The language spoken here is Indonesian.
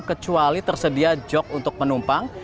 kecuali tersedia jok untuk penumpang